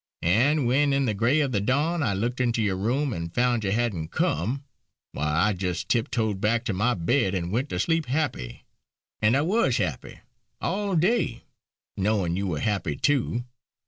And when in the grey of the dawn I looked into your room and found you hadn't come, why I just tip toed back to my bed and went to sleep happy. And I was happy all day, knowin' you were happy too.